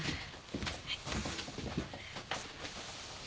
はい。